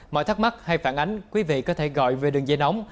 mọi thắc mắc hay phản ánh quý vị có thể gọi về đường dây nóng